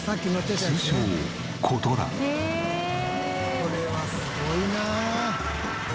これはすごいな。